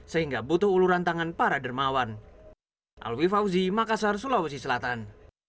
sehingga butuh uluran tangan para dermawan